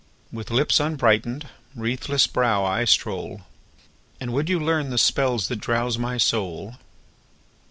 10 With lips unbrighten'd, wreathless brow, I stroll: And would you learn the spells that drowse my soul?